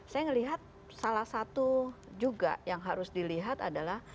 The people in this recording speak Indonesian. saya melihat salah satu juga yang harus dilihat adalah